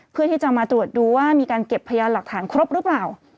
เพื่อที่จะมาตรวจดูว่ามีการเก็บพยานหลักฐานครบหรือเปล่า